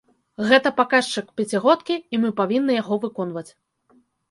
Гэта паказчык пяцігодкі, і мы павінны яго выконваць.